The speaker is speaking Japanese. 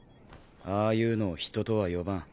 ああいうのを人とは呼ばん。